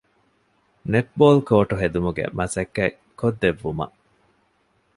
ނެޓްބޯލްކޯޓު ހެދުމުގެ މަސައްކަތް ކޮށްދެއްވުމަށް